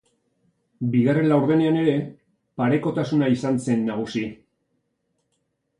Bigarren laurdenean ere parekotasuna izan zen nagusi.